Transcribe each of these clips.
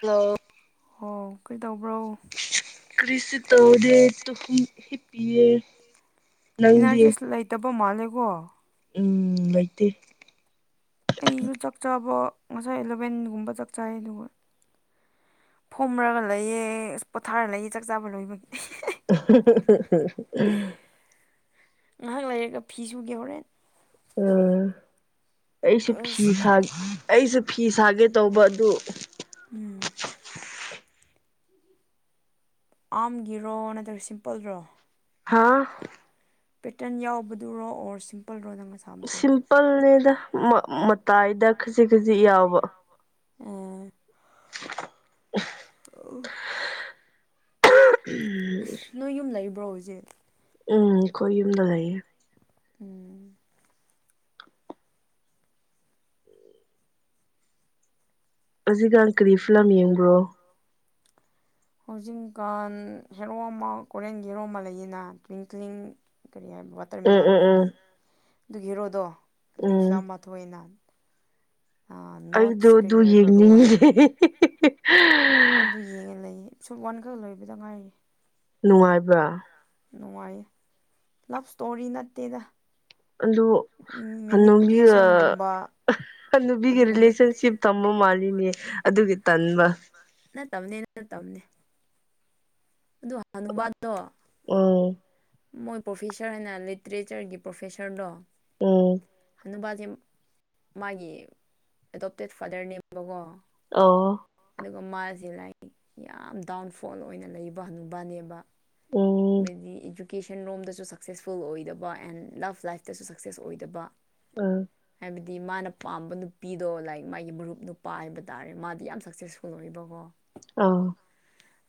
Hello ꯍ ꯀ ꯀ꯭ꯔꯤꯁ ꯇꯧꯔꯦ ꯇꯨꯍꯨꯝ ꯍꯤꯞꯄꯦ ꯏꯅꯥꯔꯖꯤ ꯂꯩꯇꯕ ꯃꯥꯂꯦꯒꯣ ꯎꯝ ꯂꯩꯇꯦ ꯑꯩꯁꯨ ꯆꯥꯛꯆꯥꯥꯕ ꯉꯁꯥꯏ ꯑꯦꯂꯚꯦꯟꯒꯨꯝꯕ ꯆꯥꯛ ꯆꯩ ꯑꯗꯨꯒ ꯐꯣꯝꯔꯒ ꯂꯩꯌꯦ ꯑꯁ ꯄꯣꯊꯥꯔ ꯂꯩꯑ ꯆꯥꯛ ꯆꯥꯕ ꯂꯣꯏꯕꯒꯤ ꯉꯥꯏꯍꯥꯛ ꯂꯩꯔꯒ ꯐꯤ ꯁꯨꯒꯦ ꯍꯣꯔꯦꯟ ꯎꯝ ꯑꯩꯁꯨ ꯐꯤ ꯑꯁ ꯁꯥꯦ ꯑꯩꯁꯨ ꯐꯤ ꯁꯥꯒꯦ ꯇꯧꯕ ꯑꯗꯨ ꯎꯝ ꯑꯥꯝꯒꯤꯔꯣ ꯅꯠꯇ꯭ꯔꯒ ꯁꯤꯝꯄꯜꯔꯣ ꯍꯥꯥ ꯄꯦꯇꯔꯟ ꯌꯥꯎꯕꯗꯨꯔꯣ ꯑꯣꯔ ꯁꯤꯝꯄꯜꯔꯣ ꯅꯪ ꯁꯤꯝꯄꯜꯅꯦꯗ ꯃꯇꯥꯏꯗ ꯈꯖꯤꯛ ꯈꯖꯤꯛ ꯌꯥꯎꯕ ꯑ [unintelligible] ꯑ ꯅꯣꯏ ꯌꯨꯝ ꯂꯩꯕ꯭ꯔꯣ ꯍꯧꯖꯤꯛ ꯎꯝ ꯑꯩꯈꯣꯏ ꯌꯨꯝꯗ ꯂꯩꯌꯦ ꯎꯝ ꯍꯧꯖꯤꯒ ꯑꯪꯀꯔꯤ ꯐꯤꯂꯝ ꯌꯦꯡꯕ꯭ꯔꯣ ꯍꯧꯖꯤꯛꯀꯥꯟ ꯍꯦꯔꯣ ꯑꯃ ꯀꯣꯔꯤꯌꯥꯟꯒꯤ ꯍꯦꯔꯣ ꯑꯃ ꯂꯩꯌꯦꯅ ꯇ꯭ꯋꯤꯡꯀ꯭ꯂꯤꯡ ꯀꯔꯤ ꯍꯥꯏꯕ ꯎꯝ ꯎꯝ ꯋꯥꯇꯔꯃꯤꯂꯣꯟꯗꯨꯒꯤ ꯎꯝ ꯑꯗꯨꯒꯤ ꯍꯦꯔꯣꯗꯣ ꯑꯗꯨꯒꯤ ꯎꯝ ꯐꯤꯂꯝ ꯃꯥꯊꯣꯏꯅ ꯑꯩꯗꯣ ꯑꯗꯨ ꯀꯔꯤ ꯍꯥꯏꯕ꯭ꯔꯥ ꯔꯣ ꯌꯦꯡꯅꯤꯡꯉꯦ ꯍꯥꯏꯕ꯭ꯔꯥ ꯁꯨꯝ ꯋꯥꯟꯈꯛ ꯂꯣꯏꯕꯗ ꯉꯥꯏꯌꯦ ꯅꯨꯡꯉꯥꯏꯕ꯭ꯔꯥ ꯅꯨꯡꯉꯥꯏꯌꯦ ꯂꯞ ꯏꯁꯇꯣꯔꯤ ꯅꯠꯇꯦꯗ ꯑꯗꯨ ꯍꯅꯣꯒꯤ ꯃꯦꯅꯤꯄꯨꯂꯦꯁꯟꯒꯨꯝꯕ ꯑ ꯅꯨꯄꯤꯒꯤ ꯑꯗꯨꯒꯨꯝꯕ ꯔꯤꯂꯦꯁꯟꯁꯤꯞ ꯊꯝꯕ ꯃꯥꯜꯂꯤꯅꯦ ꯑꯗꯨꯒꯤ ꯇꯟꯕ ꯅ ꯇꯅꯤ ꯅ ꯇꯝꯅꯦ ꯑꯗꯨ ꯍꯅꯨꯕꯥꯗꯣ ꯎꯝ ꯃꯣꯏ ꯄ꯭ꯔꯣꯐꯦꯁꯔ ꯍꯥꯏꯅ ꯂꯤꯇꯔꯦꯆꯔꯒꯤ ꯄ꯭ꯔꯣꯐꯦꯁꯔꯗꯣ ꯎꯝ ꯑꯅꯄꯥꯁꯦ ꯃꯥꯒꯤ ꯑꯦꯗꯣꯞꯇꯦꯠ ꯐꯥꯗꯔꯅꯦꯕꯀꯣ ꯑꯣ ꯑꯣ ꯃꯥꯁꯦ ꯂꯥꯏꯔꯤ ꯌꯥꯝ ꯗꯥꯎꯟꯐꯣꯜ ꯑꯣꯏꯅ ꯂꯩꯕ ꯍꯕꯅꯦꯕ ꯎꯝ ꯃꯗꯤ ꯚꯨꯀꯦꯁꯟ ꯔꯣꯝꯗꯁꯨ ꯁꯛꯁꯦꯁꯐꯨꯜ ꯑꯣꯏꯗꯕ ꯑꯦꯟ ꯂꯞ ꯂꯥꯏꯐꯇꯁꯨ ꯁꯛꯁꯦꯁ ꯑꯣꯏꯗꯕ ꯑꯥ ꯍꯥꯏꯕꯗꯤ ꯃꯥꯅ ꯄꯥꯝꯕ ꯅꯨꯄꯤꯗꯣ ꯂꯥꯏꯛ ꯃꯥꯒꯤ ꯃꯔꯨꯞ ꯅꯨꯄꯥ ꯍꯥꯏꯕ ꯇꯥꯔꯦ ꯃꯥꯗꯤ ꯌꯥꯝ ꯁꯛꯁꯦꯁꯐꯨꯜ ꯑꯣꯏꯕꯀꯣ ꯑꯥ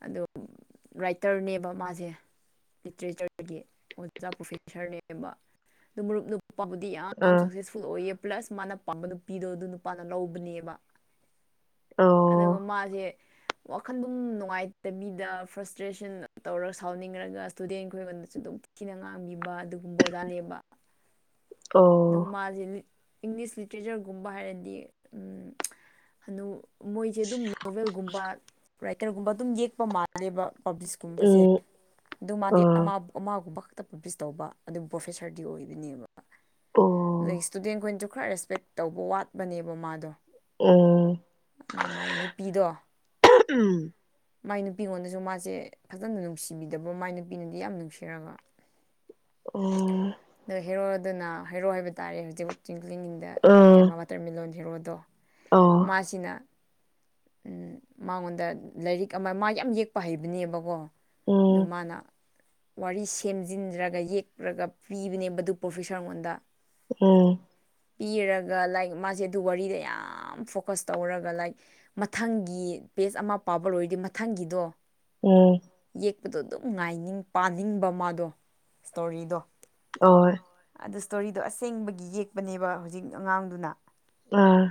ꯑꯗꯨ ꯔꯥꯏꯇꯔ ꯅꯦ ꯕꯥ ꯃꯥꯁꯦ꯫ ꯂꯤꯇ꯭ꯔꯦꯆꯔꯗꯒꯤ ꯑꯣꯖꯥ ꯄ꯭ꯔꯣꯐꯦꯁꯔꯅꯦꯕ ꯑꯗꯨ ꯃꯔꯨꯞ ꯅꯨꯄꯥ ꯕꯗ ꯌꯥꯝꯝ ꯑ ꯃꯥꯌ ꯄꯥꯀꯄꯥ ꯑꯣꯏꯌꯦ꯫ ꯄ꯭ꯂꯁ ꯃꯥꯅ ꯄꯥꯝꯕ ꯅꯨꯄꯤꯗꯣ ꯑꯗꯨ ꯅꯨꯄꯥꯅ ꯂꯧꯕꯅꯦꯕ ꯑꯗꯨꯒ ꯑꯣ ꯃꯥꯁꯦ ꯋꯥꯈꯜꯗꯨꯝ ꯅꯨꯡꯉꯥꯏ ꯍ ꯗꯕꯤꯗ ꯐ꯭ꯔꯁꯇ꯭ꯔꯦꯁꯟ ꯇꯧꯔꯒ ꯁꯥꯎꯅꯤꯡꯔꯒ ꯏꯁꯇꯨꯗꯦꯟꯈ ꯑꯩꯉꯣꯟꯗꯁꯨ ꯑꯗꯨꯝ ꯊꯤꯅ ꯉꯥꯡꯕꯤꯕ ꯑꯗꯨ ꯀꯨꯝꯕꯗꯥꯟꯦꯕꯕ [inaudible] ꯑꯗꯨꯒ ꯑꯣ ꯃꯥꯁꯦ ꯏꯪꯂꯤꯁ ꯂꯤꯇ꯭ꯔꯦꯆꯔꯒꯨꯝꯕ ꯍꯥꯏꯔꯗꯤ ꯍꯅꯨ ꯃꯣꯏꯁꯦ ꯑꯗꯨꯝ ꯅꯣꯕꯦꯜꯒꯨꯝꯕ ꯔꯥꯏꯇꯔꯒꯨꯝꯕ ꯑꯗꯨꯝ ꯌꯦꯛꯄ ꯃꯥꯜꯂꯦꯕ ꯄꯕ꯭ꯂꯤꯁꯀꯨꯝꯕꯁꯦ ꯎꯝ ꯑꯗꯨ ꯃꯥꯗꯤ ꯑ ꯑꯃꯥꯒꯨꯝꯕ ꯇꯞ ꯄ ꯄꯤꯁ ꯇꯧꯕ ꯑꯗꯨꯝ ꯄ꯭ꯔꯣꯐꯦꯁꯔꯗꯤ ꯑꯣꯏꯗꯣꯏꯅꯦꯕ ꯑꯗꯩ ꯑꯣ ꯏꯁꯇꯨꯗꯦꯟꯈꯅ ꯈꯔ ꯔꯦꯁꯄꯦꯛ ꯇꯧꯕ ꯋꯥꯠꯄꯅꯦꯕ ꯃꯥꯗꯣ ꯎꯝ ꯑꯗꯨ ꯃꯥꯏ ꯅꯨꯄꯤꯗꯣ ꯎꯝ ꯃꯥꯏ ꯅꯨꯄꯤꯉꯣꯟꯗꯁꯨ ꯃꯥꯁꯦ ꯐꯖꯅ ꯅꯨꯡꯁꯤꯕꯤꯗꯕ ꯃꯥꯏ ꯅꯨꯄꯤꯅꯗꯤ ꯌꯥꯝ ꯅꯨꯡꯁꯤꯔꯒ ꯑꯣ ꯑꯗꯣ ꯍꯦꯔꯣ ꯑꯗꯨꯅ ꯍꯦꯔꯣ ꯍꯥꯏꯕ ꯇꯥꯔꯦ ꯍꯧꯖꯤꯛ ꯆꯤꯡ ꯀꯂꯤꯡꯒꯤꯗ ꯀꯩꯃꯣ ꯋꯥꯇꯔꯃꯤꯂꯂꯣꯟ ꯍꯦꯔꯣꯗꯣ ꯑꯣ ꯃꯥꯁꯤꯅ ꯎꯝ ꯃꯉꯣꯟꯗ ꯂꯥꯏꯔꯤꯛ ꯑꯃ ꯃꯥ ꯌꯥꯝ ꯌꯦꯛꯄ ꯍꯩꯕꯅꯦꯕꯀꯣ ꯑꯗꯨ ꯎꯝ ꯃꯥꯅ ꯋꯥꯔꯤ ꯁꯦꯝꯖꯤꯟꯗ꯭ꯔꯒ ꯌꯦꯛꯄꯨꯔꯒ ꯄꯤꯕꯅꯦ ꯃꯗꯨ ꯄ꯭ꯔꯣꯐꯦꯁꯥꯔꯉꯣꯟꯗ ꯎꯝ ꯄꯤꯔꯒ ꯂꯥꯏꯛ ꯃꯥꯁꯦ ꯑꯗꯨ ꯋꯥꯔꯤꯗ ꯌꯥꯝ ꯐꯣꯀꯁ ꯇꯧꯔꯒ ꯂꯥꯏꯛ ꯃꯊꯪꯒꯤ ꯄꯦꯖ ꯑꯃ ꯄꯥꯕ ꯂꯣꯏꯔꯗꯤ ꯃꯊꯪꯒꯤꯗꯣ ꯎꯝ ꯄꯗꯣ ꯑꯗꯨꯝ ꯉꯥꯏꯅꯤꯡ ꯄꯥꯅꯤꯡꯕ ꯃꯥꯗꯣ ꯏꯁꯇꯣꯔꯤꯗꯣ ꯑꯣꯏ ꯑꯗꯨ ꯏꯁ꯭ꯇꯣꯔꯤꯗꯣ ꯑꯁꯦꯡꯕꯒꯤ ꯌꯦꯛꯄꯅꯦꯕ ꯍꯧꯖꯤꯛ ꯑꯉꯥꯡꯗꯨꯅ ꯑꯥ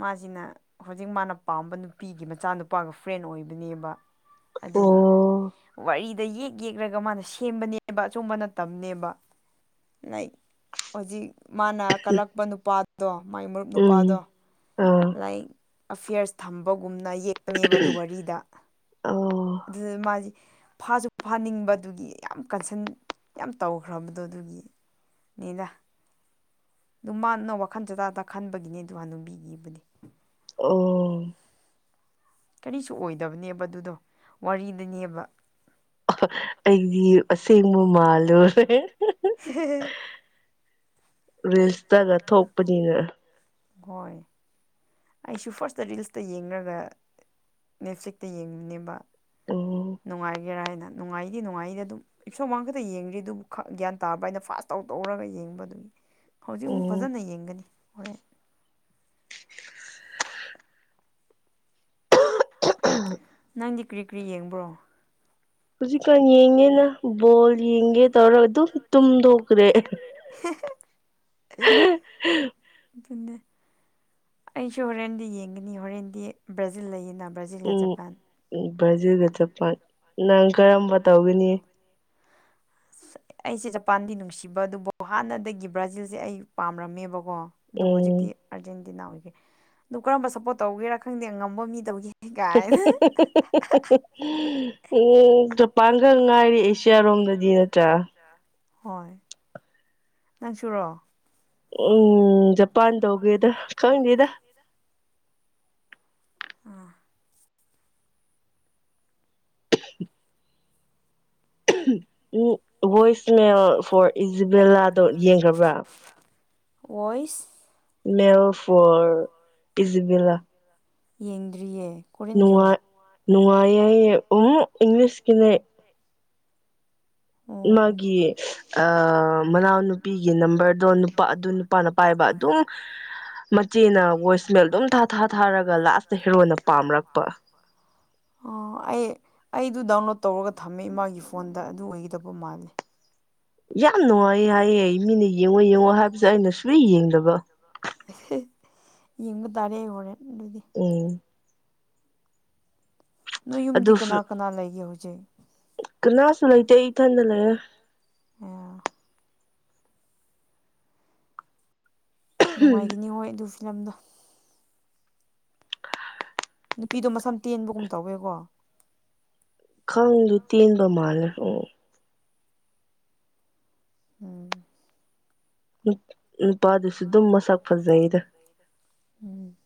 ꯃꯥꯁꯤꯅ ꯍꯧꯖꯤꯛ ꯃꯥꯅ ꯄꯥꯝꯕ ꯅꯨꯄꯤꯒꯤ ꯃꯆꯥ ꯅꯨꯨꯄꯥꯒ ꯐ꯭ꯔꯦꯟ ꯑꯣꯏꯕꯅꯦꯕ ꯑꯗꯨꯒ ꯑꯣ ꯋꯥꯔꯤ ꯁꯤꯗ ꯌꯦꯛ ꯌꯦꯛꯂꯒ ꯃꯥꯅ ꯁꯦꯝꯕꯅꯦꯕ ꯑꯆꯨꯝꯕ ꯅꯅꯦꯕ ꯂꯛ ꯍꯧꯖꯤꯛ ꯃꯥꯅ ꯀꯂꯛꯄ ꯅꯨꯄꯥꯗꯣ ꯃꯥꯏ ꯃꯔꯨꯞ ꯅꯨꯄꯥꯗꯣ ꯎꯝ ꯑ ꯂꯥꯏꯛ ꯑꯐꯤꯌꯔꯁ ꯊꯝꯕ ꯒꯨꯝꯅ ꯌꯦꯛꯄꯅꯦꯕ ꯑꯗꯨ ꯋꯥꯔꯤꯗ ꯑꯣ ꯑꯗꯨꯗ ꯃꯥꯁꯦ ꯐꯥꯁꯨ ꯐꯥꯅꯤꯡꯕꯗꯨꯒꯤ ꯌꯥꯝ ꯀꯟꯁꯟ ꯌꯥꯝ ꯇꯧꯈ꯭ꯔꯕꯗꯣ ꯑꯗꯨꯒꯤ ꯅꯗ ꯑꯗꯨꯝ ꯃꯥꯅ ꯋꯥꯈꯜ ꯆ ꯆꯗ ꯈꯟꯕꯒꯤꯅꯦ ꯑꯗꯨ ꯍꯥꯟꯅꯕꯤꯒꯤ [inaudible] ꯑꯦ. ꯑꯦ ꯀꯔꯤꯁꯨ ꯑꯣꯏꯗꯕꯅꯦꯕ ꯑꯗꯨꯗꯣ ꯋꯥꯔꯤꯗꯅꯦꯕ ꯏꯗ ꯑꯁꯦꯡꯕꯥ ꯃꯥꯜꯂꯨꯔꯦ꯫ ꯔꯤꯜꯁꯇꯒ ꯊꯣꯛꯄꯅꯤꯅ ꯍꯣꯏ꯫ ꯑꯩꯁꯨ ꯐꯥꯔꯁꯇ ꯔꯤꯜꯁꯇ ꯌꯦꯡꯒ ꯅꯦꯠꯐ꯭ꯂꯤꯛꯇ ꯌꯦꯡꯕꯨꯅꯦꯕ ꯎꯝ ꯅꯨꯡꯉꯥꯏꯒꯦꯔꯥ ꯍꯥꯏꯅ ꯅꯨꯡꯉꯥꯏꯇꯗꯤ ꯅꯨꯡꯉꯥꯏꯗꯤ ꯑꯗꯨꯝ ꯏꯁ ꯏꯁꯣꯝ ꯋꯥ ꯈꯛꯇ ꯌꯦꯡꯗ꯭ꯔꯤ ꯑꯗꯨꯕꯨ ꯒ꯭ꯌꯥꯟ ꯇꯥꯕ ꯍꯥꯏꯥꯏꯅ ꯐꯥꯁ ꯇꯧ ꯇꯧꯔꯒ ꯌꯦꯡꯕ ꯑꯗꯨꯒꯤ ꯍꯧꯖꯤꯛ ꯑꯃꯨꯛ ꯎꯝ ꯐꯖꯅ ꯌꯦꯡꯒꯅꯤ ꯍꯣꯔꯦꯟ ꯅꯪꯗꯤ ꯀꯔꯤ ꯀꯔꯤ ꯌꯦꯡꯕ꯭ꯔꯣ ꯍꯧꯖꯤꯛꯀꯥꯟ ꯌꯦꯡꯉꯦꯅ ꯕꯣꯜ ꯌꯦꯡꯒꯦ ꯇꯧꯔꯒ ꯑꯗꯨꯝ ꯇꯨꯝꯗꯣꯛꯈ꯭ꯔꯦ [unintelligible] ꯑꯗꯨ ꯑꯩꯁꯨ ꯍꯣꯔꯦꯟꯗꯤ ꯌꯦꯡꯒꯅꯤ ꯍꯣꯔꯦꯟꯗꯤ ꯕ꯭ꯔꯥꯖꯤꯜ ꯂꯩꯌꯦꯅ ꯕ꯭ꯔꯥꯖꯤꯜꯗ ꯎꯝ ꯖꯄꯥꯟ ꯕ꯭ꯔꯥꯖꯤꯜꯒ ꯆꯄꯥꯟ ꯅꯪ ꯀꯔꯝꯕ ꯇꯧꯒꯅꯤ ꯑꯩꯁꯦ ꯖꯄꯥꯟꯗꯤ ꯅꯨꯡꯁꯤꯕ ꯑꯗꯨꯕꯨ ꯍꯥꯟꯅꯗꯒꯤ ꯕ꯭ꯔꯥꯖꯤꯜꯁꯦ ꯑꯩ ꯄꯥꯝꯔꯝꯃꯦꯕꯀꯣ ꯀꯣ ꯑꯗꯨꯕꯨ ꯎꯝ ꯍꯧꯖꯤꯛꯇꯤ ꯑꯥꯔꯖꯦꯟꯇꯤꯅꯥ ꯑꯣꯏꯒꯦ ꯑꯗꯨ ꯀꯔꯝꯕ ꯁꯞꯄꯣꯔꯠ ꯇꯧꯒꯦꯔꯥ ꯈꯪꯗꯦ ꯉꯝꯕ ꯃꯤꯗꯕꯒꯤ [inaudible] [unintelligible] ꯎ ꯆꯄꯥꯡꯒ ꯉꯥꯏꯔꯤ ꯑꯦꯁꯤꯌꯥꯔꯣꯝꯗꯗꯤ ꯅꯠꯇ꯭ꯔꯥ ꯍꯣꯏ ꯅꯪ ꯁꯨꯔꯣ ꯎꯝ ꯖꯄꯥꯟ ꯇꯧꯒꯦꯗ ꯈꯪꯗꯦꯗ ꯑ ꯎꯝ ꯚꯣꯏꯁꯃꯦꯜ ꯐꯣꯔ ꯏꯖꯤꯕꯦꯂꯥꯗꯣ ꯌꯦꯡꯈꯕ꯭ꯔꯥ ꯑꯣꯏꯁ ꯃꯦꯜ ꯐꯣꯔ ꯄꯤꯖꯤꯕꯤꯂꯥ ꯌꯦꯟꯗ꯭ꯔꯤꯌꯦ ꯅꯨꯡꯉꯥꯏ ꯅꯨꯡꯉꯥꯏ ꯎꯝ ꯏꯪꯂꯤꯁꯀꯤꯅꯦ ꯑꯣ ꯃꯥꯒꯤ ꯃꯅꯥꯎꯅꯨꯄꯤꯒꯤ ꯅꯝꯕꯔꯗꯣ ꯅꯨꯄꯥ ꯑꯗꯨ ꯅꯨꯄꯥꯅ ꯄꯥꯏꯕ ꯑ ꯑꯗꯨꯨꯡ ꯃꯆꯦꯅ ꯚꯣꯏꯁꯃꯦꯜ ꯑꯗꯨꯝ ꯊꯥ ꯊꯥ ꯊꯥꯔꯒ ꯂꯥꯁꯇ ꯍꯦꯔꯣꯟꯅ ꯄꯥꯝꯔꯛꯄ ꯑ ꯑꯩꯌꯦ ꯑꯩꯗꯨ ꯗꯥꯎꯟꯂꯣꯗ ꯇꯧꯔꯒ ꯊꯝꯃꯦ ꯏ ꯃꯥꯥꯒꯤ ꯐꯣꯟꯗ ꯑꯗꯨ ꯑꯣꯏꯒꯗꯕ ꯃꯥꯂꯦ ꯌꯥꯝ ꯅꯨꯡꯉꯥꯏꯌꯦ ꯍꯥꯏꯌꯦ ꯃꯤꯅ ꯌꯦꯡꯉꯣ ꯌꯦꯡꯉꯣ ꯍꯥꯏꯕꯁꯦ ꯑꯩꯅ ꯁꯨ ꯌꯦꯡꯗꯕ ꯏꯉ ꯇꯔꯦ ꯑꯣꯏꯔꯦ ꯎꯝ ꯅꯣꯏ ꯌꯨꯝꯗꯤ ꯑꯗꯨ ꯀꯅꯥ ꯀꯅꯥ ꯂꯩꯒꯦ ꯍꯧꯖꯤꯛ ꯀꯅꯥꯁꯨ ꯂꯩꯇ ꯏ ꯊꯗ ꯂꯩ ꯅꯨꯡꯉꯥꯏꯈꯤꯅꯤ ꯍꯣꯏ ꯑꯗꯨ ꯐꯤꯂꯝꯗꯣ ꯅꯨꯄꯤꯗꯣ ꯃꯁꯝ ꯇꯦꯟꯕꯒꯨꯝ ꯇꯧꯋꯦꯀꯣ ꯈꯪꯗꯨ ꯇꯦꯟꯕ ꯃꯥꯜꯂꯦ ꯑꯣ ꯎꯝ ꯎ ꯎꯄꯥꯗꯨꯁꯨ ꯑꯗꯨꯝ ꯃꯁꯛ ꯐꯖꯩꯗ ꯎꯝ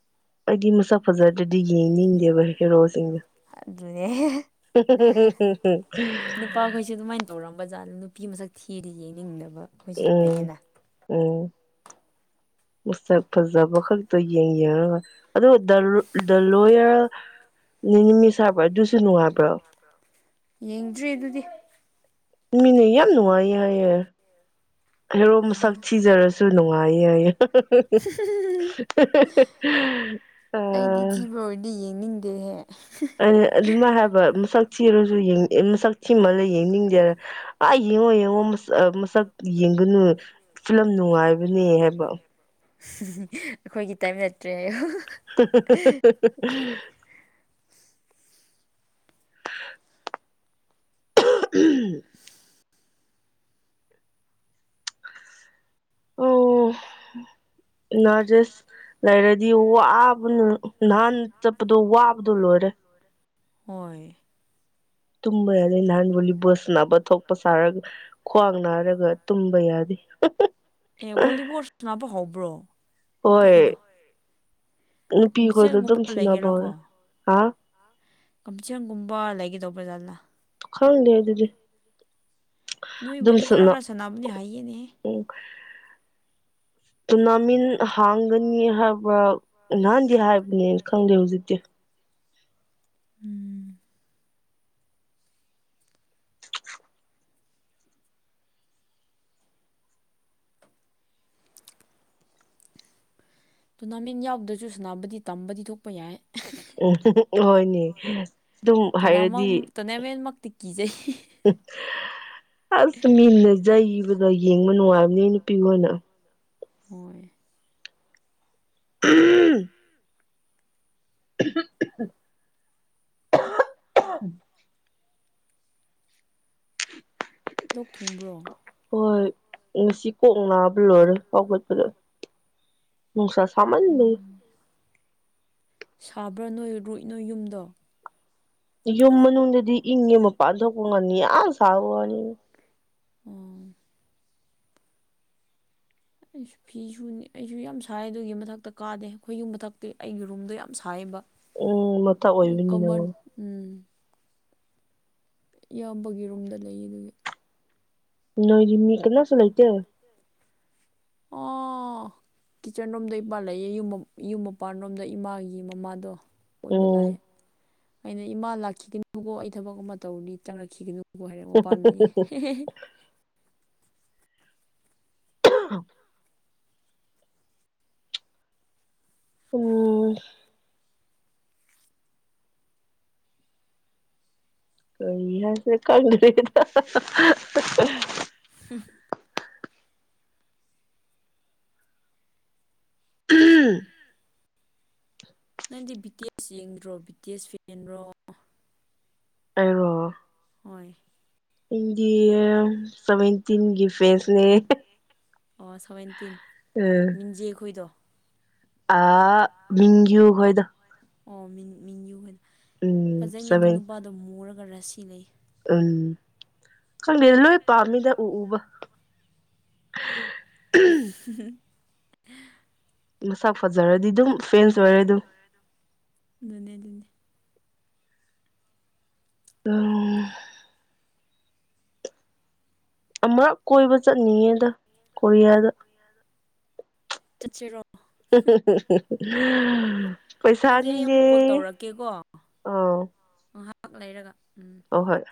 ꯑꯩꯗꯤ ꯃꯁꯛ ꯐꯖꯗꯗꯤ ꯌꯦꯡꯅꯤꯡꯗꯦꯕ ꯍꯦꯔꯣꯁꯤꯡꯗꯣ ꯑꯗꯨꯅꯦ ꯅꯨꯄꯥꯈꯣꯏꯁꯨꯦ ꯑꯗꯨꯃꯥꯏꯅ ꯇꯧꯔꯝꯕ ꯕꯖꯥꯔꯗ ꯅꯨꯄꯤ ꯃꯁꯛ ꯊꯤꯔꯤ ꯌꯦꯅꯤꯡꯅꯕ ꯎꯝ ꯎꯝ ꯃꯁꯛ ꯐꯖꯕ ꯈꯛꯇ ꯌꯦꯡ ꯌꯦꯡꯉꯒ ꯑꯗꯨꯒ ꯗ ꯂꯣꯌꯔ ꯅꯨꯃꯤꯠ ꯁꯥꯕ꯭ꯔꯥ ꯑꯗꯨꯁꯨ ꯅꯨꯡꯉꯥꯏꯕ꯭ꯔꯣ ꯌꯦꯡꯗ꯭ꯔꯤ ꯑꯗꯨꯗꯤ ꯃꯤꯅꯦ ꯌꯥꯝ ꯅꯨꯡꯉꯥꯏꯌꯦ ꯍꯔꯣ ꯃꯁꯛ ꯊꯤꯖꯔꯁꯤ ꯁꯂꯅꯨꯡꯑꯥꯏꯌꯦ ꯑꯌ ꯑ ꯑꯩꯗꯤ ꯊꯤꯕ ꯑꯣꯏꯔꯗꯤ ꯌꯦꯡꯅꯤꯡꯗꯦꯍꯦ ꯑꯗꯨꯃꯥꯏ ꯍꯥꯏꯕ ꯃꯁꯛ ꯊꯤꯔꯁꯨ ꯃꯁꯛ ꯊꯤꯃꯂ ꯌꯦꯡꯅꯤꯡꯗꯦꯅ ꯑ ꯌꯦꯡꯉꯣ ꯌꯦꯡꯉꯣꯁ ꯃꯁꯛ ꯌꯦꯡꯒꯅꯨ ꯐꯤꯂꯝ ꯅꯨꯡꯉꯥꯏꯕꯅꯦ ꯍꯥꯏꯕ ꯑꯩꯈꯣꯏꯒꯤ ꯇꯥꯏꯝ ꯅꯠꯇ꯭ꯔꯦꯌ [unintelligible] [unintelligible] [unintelligible] ꯑꯣ ꯅꯗꯁ ꯂꯥꯏꯔ ꯗꯤ ꯋꯥꯕꯅ ꯅꯍꯥꯟ ꯆꯠꯄꯗꯣ ꯋꯥꯕꯗꯣ ꯂꯣꯏꯔꯦ ꯍꯣꯏ ꯇꯨꯝꯃ ꯑꯗꯦ ꯂꯥꯟꯂꯤ ꯁꯅꯕ ꯊꯣꯛꯄ ꯁꯥꯔꯒ ꯈ꯭ꯋꯥꯡ ꯅꯥꯔꯒ ꯇꯨꯝꯕ ꯌꯥꯗꯦ ꯑꯦ ꯕꯣꯂꯤꯕꯣꯣꯔ ꯁꯅꯕ ꯍꯕ꯭ꯔꯣ ꯅꯨꯄꯤꯈꯣꯏꯗꯣ ꯅꯨꯄꯤꯈꯣꯏꯗ ꯀꯝꯄꯤꯇꯤꯁꯟꯒꯨꯝꯕ ꯑꯗꯨꯝ ꯁꯨꯟꯅꯕꯧꯋꯦ ꯍꯥ ꯀꯝꯁꯤ ꯀꯪꯒꯨꯝꯕ ꯂꯩꯒꯦ ꯇꯧꯕꯔ ꯆꯂ ꯑꯣ ꯈꯥ ꯍꯗ ꯑꯗꯨꯗꯤ ꯑꯗꯨꯝ ꯅꯣꯏꯕꯨꯗꯤ ꯀꯔ ꯁꯥꯟꯅ ꯀꯔ ꯁꯥꯟꯅꯕꯅꯦ ꯍꯥꯏꯌꯦꯅꯦ ꯎꯝ ꯇꯣꯔꯅꯥꯃꯦꯟ ꯍꯥꯡꯒꯅꯤ ꯍꯥꯏꯕ꯭ꯔ ꯅꯍꯥꯟꯗꯦ ꯍꯥꯏꯕꯅꯦꯅ ꯈꯪꯗꯦ ꯍꯧꯖꯤꯛꯇꯤ ꯎꯝ ꯇꯣꯔꯅꯥꯃꯦꯟ ꯌꯥꯎꯗ꯭ꯔꯁꯨ ꯁꯥꯟꯅꯕꯗꯤ ꯇꯝꯕꯗꯤ ꯊꯣꯛꯄ ꯌꯥꯏ ꯍꯣꯏꯅꯤ ꯑꯗꯨꯝ ꯍꯥꯏꯔꯗꯤ ꯇꯣꯔꯅꯥꯃꯛ ꯇꯣꯔꯅꯥꯃꯦꯟꯃꯛꯇꯤ ꯀꯤꯖꯩ ꯑꯁ ꯃꯤꯟꯅꯖꯩꯕꯗꯣ ꯌꯦꯡꯕ ꯅꯨꯡꯉꯥꯏꯕꯅꯤ ꯅꯨꯄꯤ ꯍꯅ ꯍꯣꯏ ꯝ [inaudible] [unintelligible] ꯊꯝ [inaudible] ꯂꯣꯛ ꯊꯨꯡꯕ꯭ꯔꯣ ꯍꯣꯏ ꯉꯁꯤ ꯀꯣꯛ ꯅꯥꯕ ꯂꯣꯏꯔꯦ ꯐꯥꯎꯒꯠꯄꯗꯣ ꯃꯅꯨꯡꯁꯥ ꯁꯃꯅ ꯂꯩ ꯁꯥꯕ꯭ꯔꯥ ꯅꯣꯏ ꯔꯨꯏ ꯅꯣꯏ ꯌꯨꯝꯗꯣ ꯌꯨꯝ ꯃꯅꯨꯡꯗꯗꯤ ꯏꯪꯉ ꯃꯄꯥꯟ ꯊꯣꯛꯄ ꯉꯅꯤ ꯌꯥꯝ ꯁꯥꯕ ꯋꯥꯅꯤꯅ ꯑꯣ ꯑꯩꯁꯨ ꯐꯤꯁꯨꯅꯤ ꯑꯩꯁꯨ ꯌꯥꯝ ꯁꯥꯏ ꯑꯗꯨꯒꯤ ꯃꯊꯛꯇ ꯀꯥꯗꯦ ꯑꯩꯈꯣꯏ ꯌꯨꯝ ꯃꯊꯛꯇꯤ ꯑꯩꯒꯤ ꯔꯨꯝꯗꯣ ꯌꯥꯝ ꯁꯥꯏꯕ ꯎꯝ ꯅꯠꯇ ꯑꯣꯏꯕꯅꯤ ꯅꯉꯣ ꯎꯝ ꯏꯌꯥꯝꯕꯒꯤ ꯔꯨꯝꯗ ꯂꯩꯌꯦ ꯑꯗꯨꯒꯤ ꯅꯣꯏ ꯃꯤ ꯀꯅꯥꯁꯨ ꯂꯩꯇꯦ ꯑꯣ ꯀꯤꯠꯆꯟ ꯔꯣꯝꯗ ꯏꯄꯥꯥꯟꯜꯂꯑ ꯌꯨꯝ ꯃꯄꯥꯟꯔꯣꯝꯗ ꯏꯃꯥꯒꯤ ꯃꯃꯥꯗꯣ ꯑꯣꯏꯕ ꯂꯥꯛꯑꯦ ꯎꯝ ꯑꯩꯅ ꯏꯃꯥ ꯂꯥꯛꯈꯤꯒꯅꯀꯣ ꯑꯩ ꯊꯕꯛ ꯑꯃ ꯇꯧꯔꯅꯤ ꯇꯔꯛꯈꯤꯒꯅ ꯕꯨ ꯍꯥꯏꯔ ꯑꯃ ꯄꯥꯩ ꯑ [inaudible] ꯑꯣ ꯌꯦꯁꯦ ꯀꯅꯗ ꯎꯝ ꯍꯝ [inaudible] ꯅꯪꯗꯤ ꯕ꯭ꯔꯤꯇꯦꯖ ꯌꯦꯡꯗ꯭ꯔꯣ ꯕ꯭ꯔꯤꯇꯦꯤꯁ ꯐꯦꯟꯔꯣ ꯑ [inaudible] ꯍꯣꯏ ꯏꯟꯗꯤ ꯁꯚꯦꯟꯇꯤꯟꯒꯤ ꯐꯦꯁꯅꯦ ꯑꯣ ꯁꯚꯦꯟꯇꯤꯟ ꯃꯤꯡꯖꯦ ꯑꯩꯈꯣꯏꯗꯣ ꯑ ꯃꯤꯌꯨ ꯍꯣꯏꯗ ꯑꯣ ꯃꯤ ꯃꯤꯡ ꯌꯨ ꯍꯥꯏꯅꯣ ꯎꯝ ꯐꯖꯩꯅꯤ ꯑꯗꯨ ꯁꯚꯦꯟ ꯅꯨꯄꯥꯗꯣ ꯃꯨꯔꯒ ꯔꯁꯤ ꯂꯩ ꯎꯝ ꯈꯪꯗꯦꯗ ꯂꯣꯏ ꯄꯥꯝꯃꯤꯅ ꯎ ꯎꯕ [unintelligible] ꯃꯁꯥ ꯐꯖꯔꯗꯤ ꯑꯗꯨꯝ ꯐꯦꯟꯁ ꯑꯣꯏꯔꯦ ꯑꯗꯨꯝ [unintelligible] ꯇꯝ ꯑꯃꯛ ꯀꯣꯏꯕ ꯆꯠꯅꯤꯡꯉꯦꯗ ꯀꯣꯔꯤꯌꯥꯗ ꯆꯠ ꯆ ꯆꯩꯔꯣ [unintelligible] ꯑꯗꯨꯗꯤ ꯑꯩ ꯄꯩꯁꯥꯅꯤꯅꯦ ꯑꯃꯨꯛ ꯀꯣꯜ ꯇꯧꯔꯛꯀꯦꯀꯣ ꯍꯣꯏ ꯉꯥꯏꯍꯥꯛ ꯂꯩꯔꯒ ꯎꯝ ꯑ ꯍꯣꯏ